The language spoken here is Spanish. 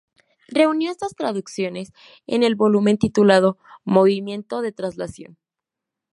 Reunió estas traducciones en el volumen titulado "Movimiento de traslación".